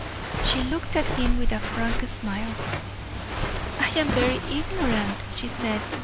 She looked at him with a frank smile. "I am very ignorant," she said.